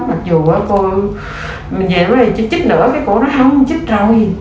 mặc dù cô dậy mới chích nữa cái cổ nó không chích rồi